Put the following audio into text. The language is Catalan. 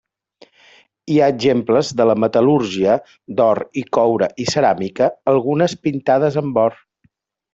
Hi ha exemples de la metal·lúrgia d'or i coure i ceràmica, algunes pintades amb or.